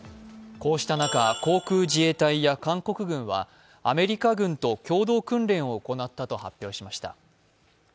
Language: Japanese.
こうした中、航空自衛隊や韓国軍はアメリカ軍と共同訓練を行ったと発表しました。